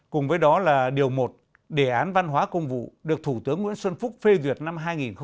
cùng với đó là điều một đề án văn hóa công vụ được thủ tướng nguyễn xuân phúc phê duyệt năm hai nghìn một mươi